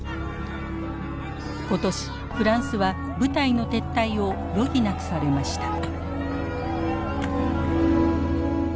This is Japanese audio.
今年フランスは部隊の撤退を余儀なくされました。